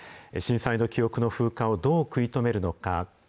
震災の記憶の風化をどう食い止めるのか。